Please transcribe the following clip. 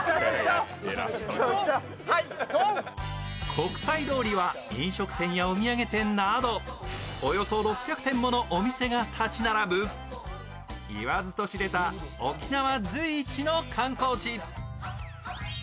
国際通りは飲食店やお土産店などおよそ６００店ものお店が立ち並ぶ言わずと知れた沖縄随一の観光地。